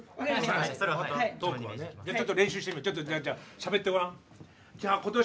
ちょっと練習してみようじゃあしゃべってごらん。